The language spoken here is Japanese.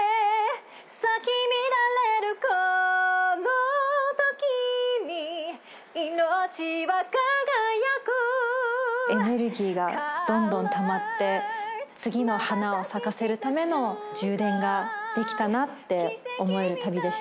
「咲きみだれるこの時に」「いのちは輝く」エネルギーがどんどんたまって次の花を咲かせるための充電ができたなって思える旅でしたね。